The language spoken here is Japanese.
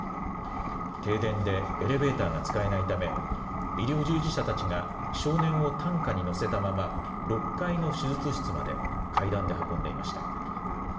停電でエレベーターが使えないため医療従事者たちが少年を担架に乗せたまま６階の手術室まで階段で運んでいました。